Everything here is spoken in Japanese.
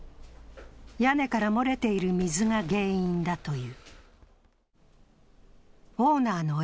屋根から漏れている水が原因だという。